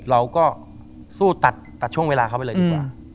เราก็สู้ตัดช่วงเวลาเขาไปเลยดีกว่า